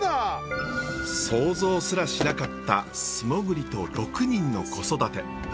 想像すらしなかった素潜りと６人の子育て。